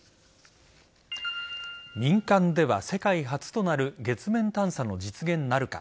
民間では世界初となる月面探査の実現なるか。